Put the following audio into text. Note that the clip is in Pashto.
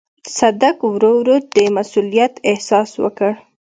صدک ورو ورو د مسووليت احساس وکړ.